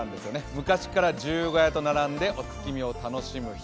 昔から十五夜と並んでお月見を楽しむ日。